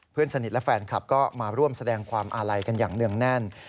เพื่อนสนิทและแฟนคลับก็มาร่วมแสดงความอาลัยกันอย่างเนื่องแน่น